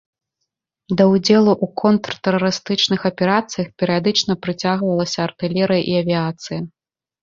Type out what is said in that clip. Да ўдзелу ў контртэрарыстычных аперацыях перыядычна прыцягвалася артылерыя і авіяцыя.